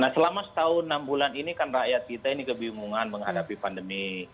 nah selama setahun enam bulan ini kan rakyat kita ini kebingungan menghadapi pandemi